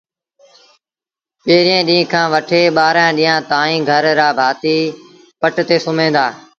پيريݩ ڏيݩهݩ کآݩ وٺي ٻآرآݩ ڏيݩهآݩ تائيٚݩ گھر رآ ڀآتيٚ پٽ تي سُوميݩ دآ